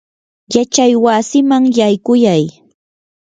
yachaywasiman yaykuyay.